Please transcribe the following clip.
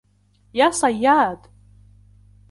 يَا صَيَّادُ